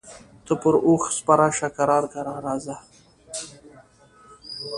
ته پر اوښ سپره شه کرار کرار راځه.